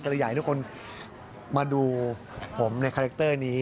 ก็เลยอยากให้ทุกคนมาดูผมในคาแรคเตอร์นี้